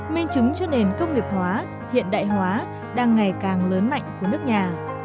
minh chứng cho nền công nghiệp hóa hiện đại hóa đang ngày càng lớn mạnh của nước nhà